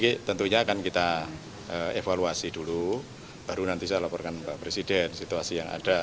ya tentunya akan kita evaluasi dulu baru nanti saya laporkan pak presiden situasi yang ada